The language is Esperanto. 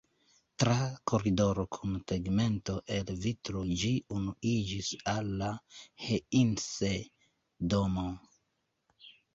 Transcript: Tra koridoro kun tegmento el vitro ĝi unuiĝis al la Heinse-domo.